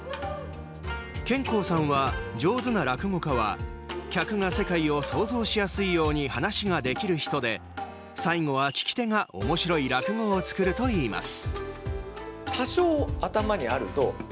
兼好さんは、上手な落語家は客が世界を想像しやすいようにはなしができる人で最後は聴き手がおもしろい落語を作るといいます。